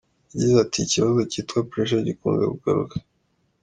Yagize ati “Ikibazo cyitwa ‘pressure’gikunze kugaruka.